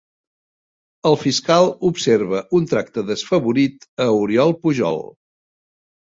El fiscal observa un tracte desfavorit a Oriol Pujol